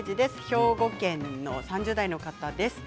兵庫県３０代の方です。